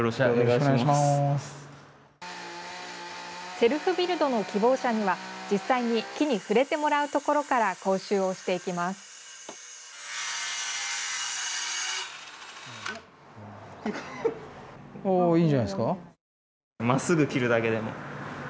セルフビルドの希望者には実際に木に触れてもらうところから講習をしていきます。